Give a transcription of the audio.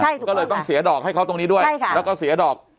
ใช่ก็เลยต้องเสียดอกให้เขาตรงนี้ด้วยใช่ค่ะแล้วก็เสียดอก